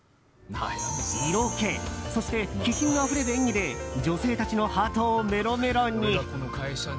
色気そして、気品のあふれる演技で女性たちのハートをメロメロに。